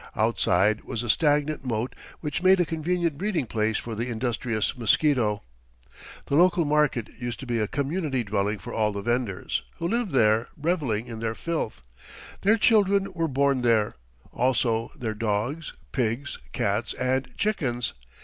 Outside was a stagnant moat which made a convenient breeding place for the industrious mosquito. The local market used to be a community dwelling for all the vendors, who lived there, reveling in their filth. Their children were born there, also their dogs, pigs, cats, and chickens.